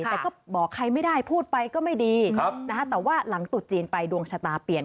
แต่ก็บอกใครไม่ได้พูดไปก็ไม่ดีแต่ว่าหลังตุดจีนไปดวงชะตาเปลี่ยน